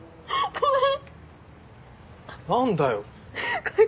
ごめん。